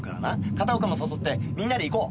片岡も誘ってみんなで行こう。